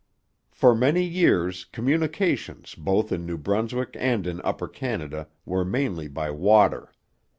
For many years communications both in New Brunswick and in Upper Canada were mainly by water.